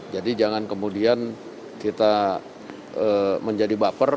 jadi jangan kemudian kita menjadi baper